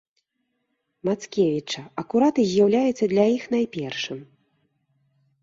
Мацкевіча, акурат і з'яўляецца для іх найпершым.